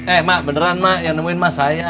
eh mak beneran mak yang nemuin mas saya